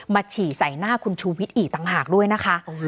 ฉี่ใส่หน้าคุณชูวิทย์อีกต่างหากด้วยนะคะ